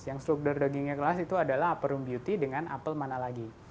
yang struktur dagingnya keras itu adalah approom beauty dengan apple mana lagi